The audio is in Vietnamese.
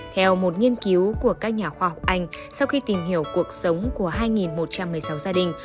theo một nghiên cứu của các nhà khoa học anh sau khi tìm hiểu cuộc sống của hai một trăm một mươi sáu gia đình